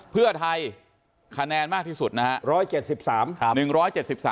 เพื่อไทยคะแนนมากที่สุดนะฮะ